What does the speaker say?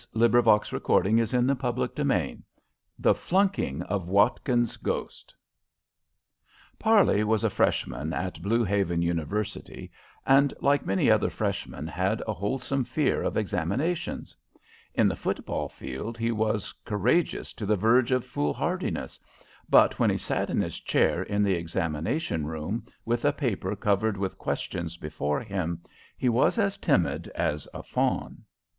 The Flunking of Watkins's Ghost The Flunking of Watkins's Ghost [Illustration: Decorative P] arley was a Freshman at Blue Haven University, and, like many other Freshmen, had a wholesome fear of examinations. In the football field he was courageous to the verge of foolhardiness, but when he sat in his chair in the examination room, with a paper covered with questions before him, he was as timid as a fawn.